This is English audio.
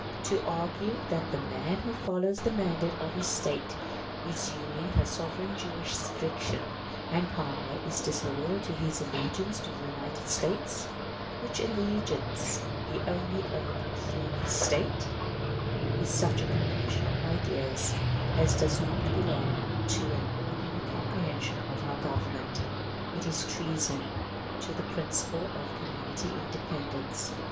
To argue that the man who follows the mandate of his State, resuming her sovereign jurisdiction and power, is disloyal to his allegiance to the United States, which allegiance he only owed through his State, is such a confusion of ideas as does not belong to an ordinary comprehension of our Government. It is treason to the principle of community independence.